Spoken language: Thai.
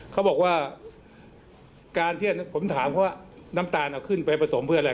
เขาบอกว่าการที่ผมถามเขาว่าน้ำตาลเอาขึ้นไปผสมเพื่ออะไร